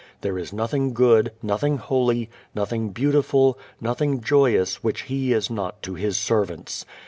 There is nothing good, nothing holy, nothing beautiful, nothing joyous which He is not to His servants.